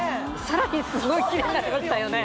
さらにすごいキレイになりましたよね